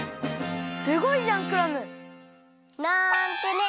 すごいじゃんクラム！なんてね。